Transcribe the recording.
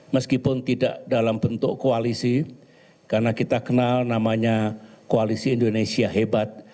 meskipun tidak dalam bentuk koalisi karena kita kenal namanya koalisi indonesia hebat